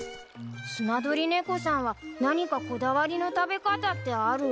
スナドリネコさんは何かこだわりの食べ方ってある？